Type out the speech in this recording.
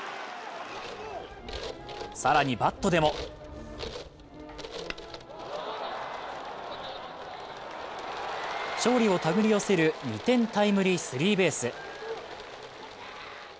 更に、バットでも勝利を手繰り寄せる２点タイムリースリーベース。